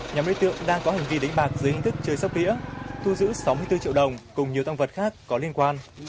nhóm đối tượng đang có hành vi đánh bạc dưới hình thức chơi sóc đĩa thu giữ sáu mươi bốn triệu đồng cùng nhiều tăng vật khác có liên quan